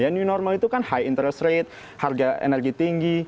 new normal itu kan high interest rate harga energi tinggi